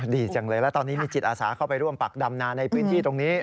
ดีจังเลยแล้วตอนนี้มีจิตอาสาเข้าไปร่วมปักดำนาในพื้นที่ตรงนี้